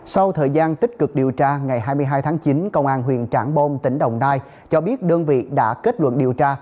sau thời gian tích cực điều tra ngày hai mươi hai tháng chín công an huyện trảng bom tỉnh đồng nai cho biết đơn vị đã kết luận điều tra